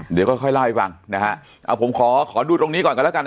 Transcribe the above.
เดี๋ยวก็ค่อยเล่นว่างนะคะผมขอดูตรงนี้ก่อนก็แล้วกัน